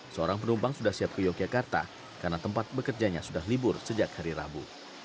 seorang penumpang sudah siap ke yogyakarta karena tempat bekerjanya sudah libur sejak hari rabu